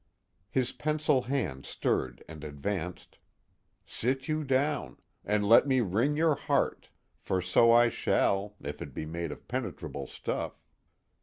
His pencil hand stirred and advanced: Sit you down, And let me wring your heart: for so I shall, If it be made of penetrable stuff....